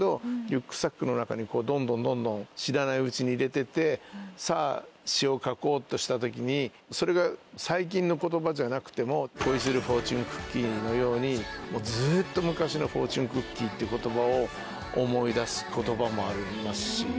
リュックサックの中にどんどんどんどん知らないうちに入れててさぁ詞を書こうとした時にそれが最近の言葉じゃなくても『恋するフォーチュンクッキー』のようにずっと昔の「フォーチュンクッキー」って言葉を思い出す言葉もありますし。